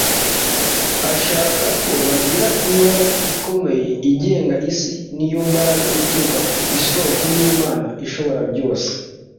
Ashaka ko bagira imbaraga ikomeye igenga isi ni yo mbaraga ituruka ku isoko y'Imana ishobora byose.